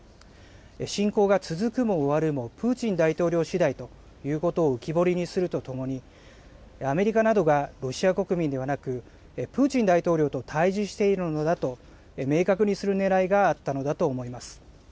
侵攻が続くも終わるも、プーチン大統領しだいということを浮き彫りにするとともに、アメリカなどがロシア国民ではなく、プーチン大統領と対じしているのだと明確にするねらいがあったのだと思います。